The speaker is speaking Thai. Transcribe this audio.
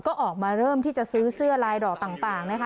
ก็ออกมาเริ่มที่จะซื้อเสื้อลายดอกต่างนะคะ